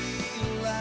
dini udah nungguin kamu